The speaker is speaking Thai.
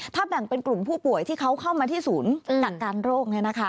ถ้าแบ่งเป็นกลุ่มผู้ป่วยที่เขาเข้ามาที่ศูนย์หลักการโรค